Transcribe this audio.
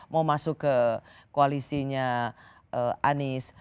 mau masuk ke koalisinya anies